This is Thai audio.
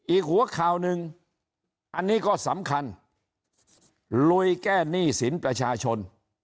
อีกหัวข่าวหนึ่งอันนี้ก็สำคัญลุยแก้หนี้สินประชาชน